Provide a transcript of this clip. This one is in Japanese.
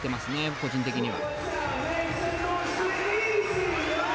個人的には。